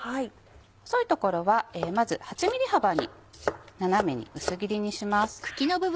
細い所はまず８ｍｍ幅に斜めに薄切りにします。